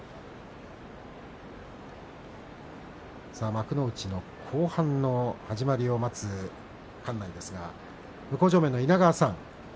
幕内の後半の始まりを待つ館内ですが、向正面の稲川さん